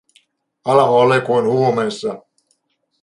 Alma oli kuin huumeessa.